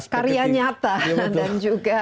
karya nyata dan juga